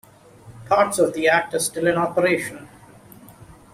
Parts of the Act are still in operation.